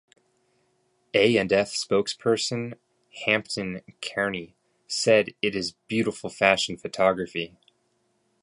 A and F spokesperson Hampton Carney said, it is beautiful fashion photography.